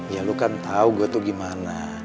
ya lo kan tau gue tuh gimana